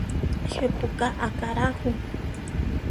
Jepú ka akará jú?